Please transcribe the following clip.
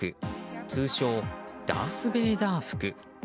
通称ダース・ベイダー服。